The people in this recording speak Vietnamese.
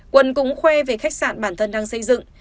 quân cũng khoe về khách sạn bản thân đang xây dựng